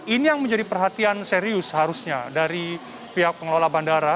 ini yang menjadi perhatian serius seharusnya dari pihak pengelola bandara